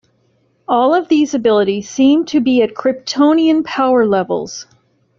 All of these abilities seem to be at Kryptonian power levels.